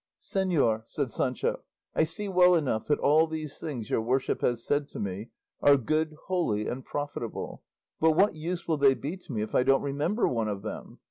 "Señor," said Sancho, "I see well enough that all these things your worship has said to me are good, holy, and profitable; but what use will they be to me if I don't remember one of them?